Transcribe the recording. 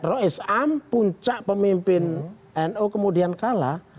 rok islam puncak pemimpin nu kemudian kalah